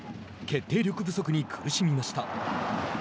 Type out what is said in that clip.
決定力不足に苦しみました。